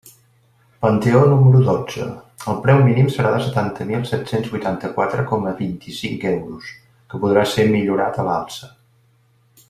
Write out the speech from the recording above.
Panteó número dotze: el preu mínim serà de setanta mil set-cents vuitanta-quatre coma vint-i-cinc euros, que podrà ser millorat a l'alça.